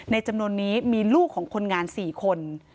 จำนวนนี้มีลูกของคนงาน๔คน